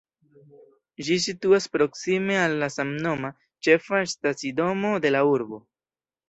Ĝi situas proksime al la samnoma, ĉefa stacidomo de la urbo.